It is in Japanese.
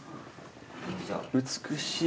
美しい。